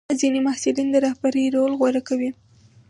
ځینې محصلین د رهبرۍ رول غوره کوي.